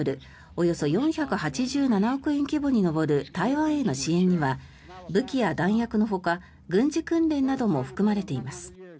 およそ４８７億円規模に上る台湾への支援には武器や弾薬のほか軍事訓練なども含まれています。